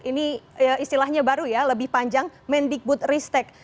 ini istilahnya baru ya lebih panjang mendikbud ristek